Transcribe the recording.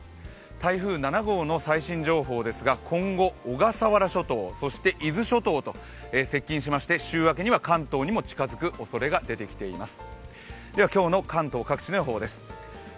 台風７号の最新情報ですが今後、小笠原諸島そして伊豆諸島と接近しまして、週明けには関東にも近づくおそれが出てきています。